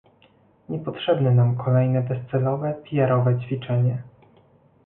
Niepotrzebne nam kolejne bezcelowe, pijarowe ćwiczenie